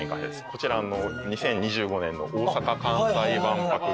こちら２０２５年の大阪・関西万博のときの。